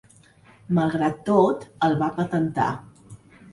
Malgrat tot, el va patentar.